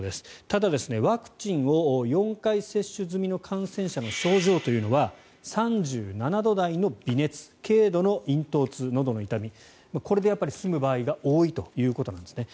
ただ、ワクチンを４回接種済みの感染者の症状というのは３７度台の微熱軽度の咽頭痛のどの痛み、これで済む場合が多いということなんですね。